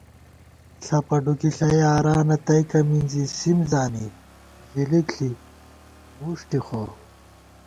ݪَپہ ڈُکِݪہ یارانہ تئیکہ مِنزی سِم زانی ، زِلِک ݪی وُݭٹی خو